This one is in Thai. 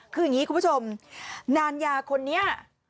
คืออย่างนี้คุณผู้ชมนานยาคนนี้